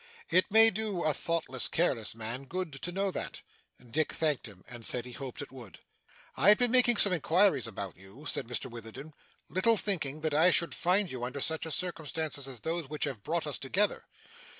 It may do a thoughtless, careless man, good, to know that.' Dick thanked him, and said he hoped it would. 'I have been making some inquiries about you,' said Mr Witherden, 'little thinking that I should find you under such circumstances as those which have brought us together.